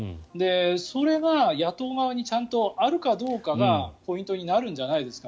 それが野党側にちゃんとあるかどうかがポイントになるんじゃないですか。